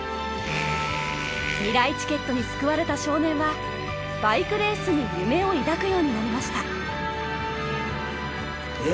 みらいチケットに救われた少年はバイクレースに夢を抱くようになりました。